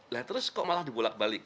lah terus kok malah dibolak balik